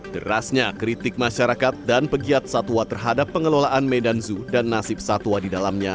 derasnya kritik masyarakat dan pegiat satwa terhadap pengelolaan medan zoo dan nasib satwa di dalamnya